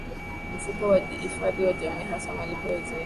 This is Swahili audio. mfuko wa hifadhi za jamii hasa malipo ya uzeeni